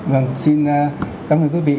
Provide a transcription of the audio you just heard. vâng xin cảm ơn quý vị